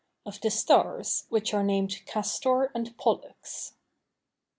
OF THE STARS WHICH ARE NAMED CASTOR AND POLLUX.